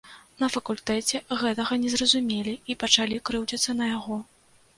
На факультэце гэтага не зразумелі і пачалі крыўдзіцца на яго.